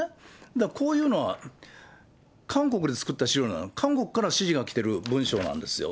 だからこういうのは韓国で作った資料なの、韓国から指示が来てる文書なんですよ。